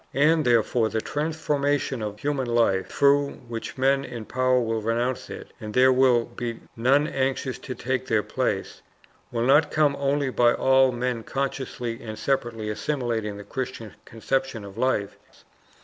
And therefore the transformation of human life, through which men in power will renounce it, and there will be none anxious to take their place, will not come only by all men consciously and separately assimilating the Christian conception of life.